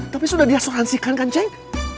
tapi sudah diasuransikan kan ceng